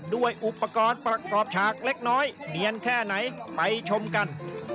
ด้วยอุปกรณ์ประกอบฉากเล็กน้อยเนียนแค่ไหนไปชมกัน